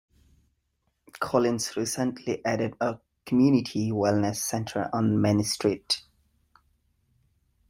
Collins recently added a community wellness center on Main Street.